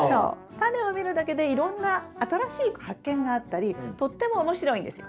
タネを見るだけでいろんな新しい発見があったりとっても面白いんですよ。